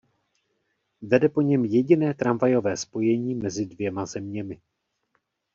Vede po něm jediné tramvajové spojení mezi dvěma zeměmi.